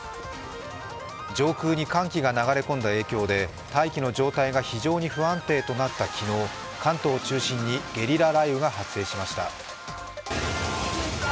上空に寒気が流れ込んだ影響で大気の状態が非常に不安定となった昨日関東を中心にゲリラ雷雨が発生しました。